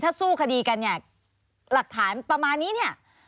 ถ้าสู้คดีกันหลักฐานประมาณนี้